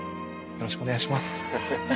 よろしくお願いします。